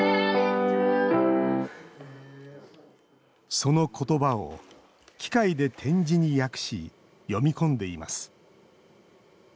そのことばを機械で点字に訳し読み込んでいます